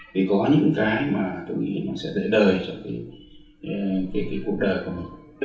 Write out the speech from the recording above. vì có những cái mà tôi nghĩ nó sẽ đợi cho cái cuộc đời của mình